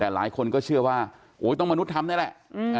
แต่หลายคนก็เชื่อว่าโอ้ยต้องมนุษย์ทำนี่แหละ